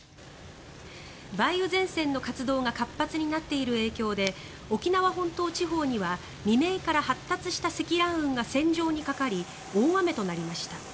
梅雨前線の活動が活発になっている影響で沖縄本島地方には未明から発達した積乱雲が線状にかかり大雨となりました。